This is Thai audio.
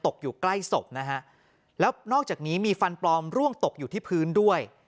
อยู่ใกล้ศพนะฮะแล้วนอกจากนี้มีฟันปลอมร่วงตกอยู่ที่พื้นด้วย